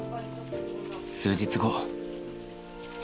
数日後。